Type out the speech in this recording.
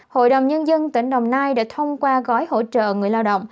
hội đồng nhân dân tỉnh đồng nai đã thông qua gói hỗ trợ người lao động